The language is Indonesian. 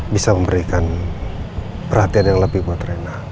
bisa memberikan perhatian yang lebih buat rena